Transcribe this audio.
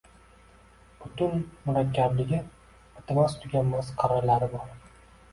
Butun murakkabligi, bitmas-tuganmas qirralari bor.